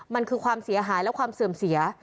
มันคือความเสียหายและความเสื่อมเสีย